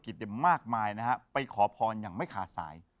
ที่มีนักธุรกิจมากมายนะครับไปขอพรอย่างไม่ขาดสาย